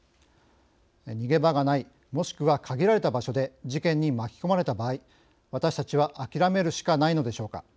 逃げ場がない、もしくは限られた場所で事件に巻き込まれた場合私たちは諦めるしかないのでしょうか。